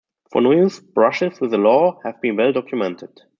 Fonyo's brushes with the law have been well documented.